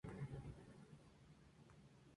Su capital, y subprefectura del departamento, es Gex.